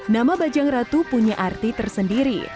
nama bajang ratu punya arti tersendiri